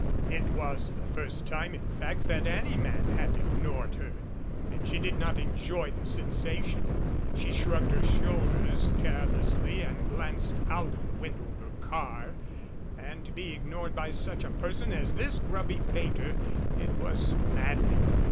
It was the first time in fact, that any man had ignored her, and she did not enjoy the sensation. She shrugged her shoulders carelessly and glanced out of the window of her car and to be ignored by such a person as this grubby painter it was maddening!